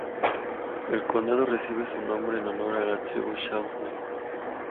El condado recibe su nombre en honor a la tribu Shawnee.